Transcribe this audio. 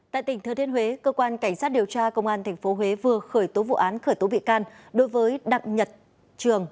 tại tỉnh thừa thiên huế cơ quan cảnh sát điều tra công an tp huế vừa khởi tố vụ án khởi tố bị can đối với đặng nhật trường